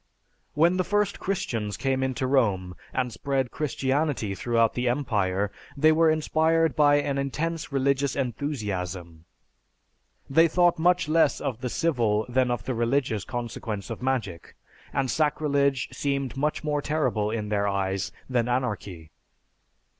When the first Christians came into Rome and spread Christianity throughout the empire, they were inspired by an intense religious enthusiasm. They thought much less of the civil than of the religious consequence of magic, and sacrilege seemed much more terrible in their eyes than anarchy.